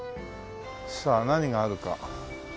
さあ何があるか。